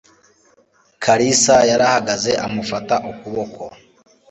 Kalisa yarahagaze amufata ukuboko